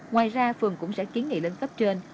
ngoài ra phường cũng sẽ kiến nghị lên cấp trên